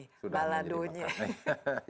sudah menjadi makanan